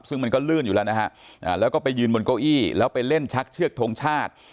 ซึ่งมันก็ลื่นอยู่แล้วนะฮะแล้วก็ไปยืนบนเก้าอี้แล้วไปเล่นชักเชือกทงชาติ